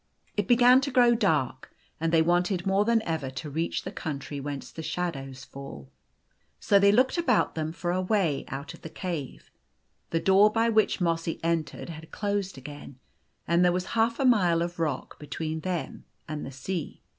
It began to grow dark. And they wanted more than ever to reach the country whence the shadows fall. So they looked about them for a way out of the cave. The door by which Mossy entered had closed again, and there was half a mile of rock between them and the sea.